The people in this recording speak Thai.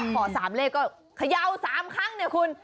ขอ๓เลขก็เขย่า๓ครั้งเนี่ยคุณ